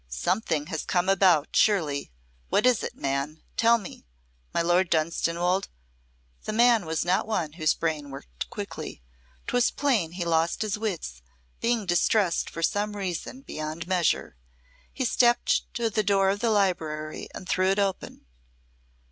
"Something has come about, surely. What is it, man? Tell me! My Lord Dunstanwolde " The man was not one whose brain worked quickly. 'Twas plain he lost his wits, being distressed for some reason beyond measure. He stepped to the door of the library and threw it open.